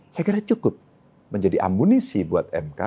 saya kira cukup menjadi amunisi buat mk